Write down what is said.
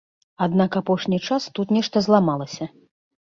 Аднак апошні час тут нешта зламалася.